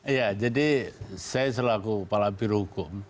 iya jadi saya selaku kepala birohukum